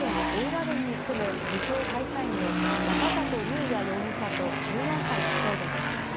邑楽郡に住む自称会社員の中里竜也容疑者と、１４歳の少女です。